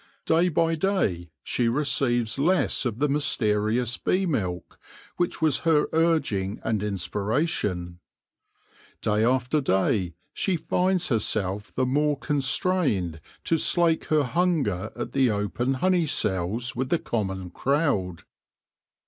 Day by day she receives less of the mysterious bee milk which was her urging and in spiration ; day after day she finds herself the more constrained to slake her hunger at the open honey cells with the common crowd.